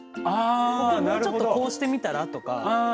ここ、もうちょっとこうしてみたら？とか。